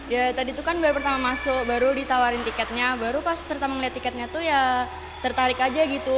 ya tadi tuh kan baru pertama masuk baru ditawarin tiketnya baru pas pertama ngeliat tiketnya tuh ya tertarik aja gitu